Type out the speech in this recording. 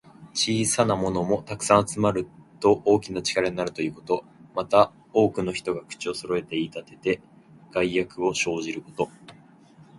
小さなものも、たくさん集まると大きな力になるということ。また、多くの人が口をそろえて言いたてて、害悪を生じること。